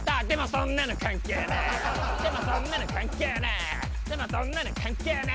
でもそんなの関係ねぇ。